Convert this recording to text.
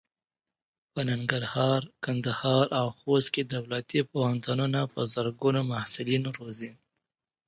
په ننګرهار، کندهار او خوست کې دولتي پوهنتونونه په زرګونو محصلین روزي.